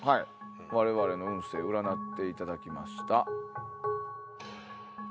我々の運勢占っていただきました。